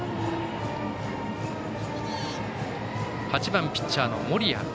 ８番ピッチャーの森谷